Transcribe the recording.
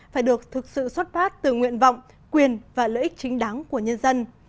phải được thực sự xuất phát từ nguyện vọng quyền và lợi ích chính đáng của nhân dân